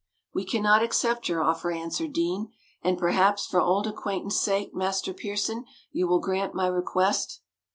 "We cannot accept your offer," answered Deane; "and perhaps for old acquaintance' sake, Master Pearson, you will grant my request?"